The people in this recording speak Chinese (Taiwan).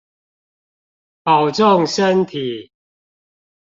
保重身體